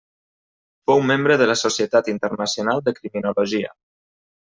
Fou membre de la Societat Internacional de Criminologia.